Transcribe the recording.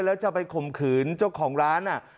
แล้วจะไปข่มขืนเจ้าของร้าน